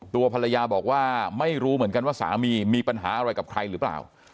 ตัวภรรยาบอกว่าไม่รู้เหมือนกันว่าสามีมีปัญหาอะไรกับใครหรือเปล่า